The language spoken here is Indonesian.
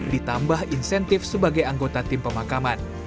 ditambah insentif sebagai anggota tim pemakaman